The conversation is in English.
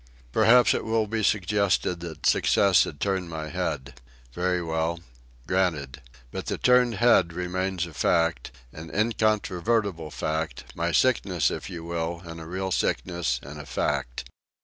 Perhaps it will be suggested that success had turned my head. Very well. Granted. But the turned head remains a fact, an incontrovertible fact—my sickness, if you will, and a real sickness, and a fact.